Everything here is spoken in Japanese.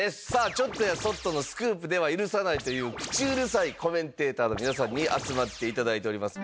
ちょっとやそっとのスクープでは許さないという口うるさいコメンテーターの皆さんに集まって頂いております。